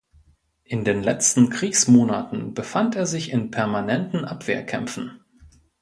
In den letzten Kriegsmonaten befand er sich in permanenten Abwehrkämpfen.